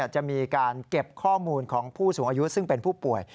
จะมีการเก็บข้อมูลของผู้สูงอายุซึ่งเป็นผู้ป่วย